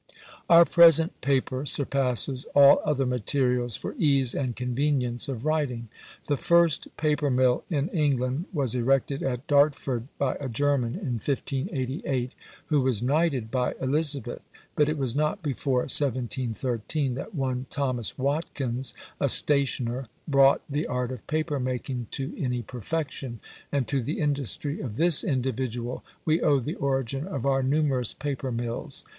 Our present paper surpasses all other materials for ease and convenience of writing. The first paper mill in England was erected at Dartford, by a German, in 1588, who was knighted by Elizabeth; but it was not before 1713 that one Thomas Watkins, a stationer, brought the art of paper making to any perfection, and to the industry of this individual we owe the origin of our numerous paper mills.